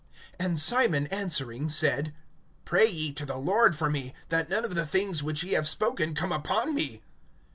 (24)And Simon answering, said: Pray ye to the Lord for me, that none of the things which ye have spoken come upon me.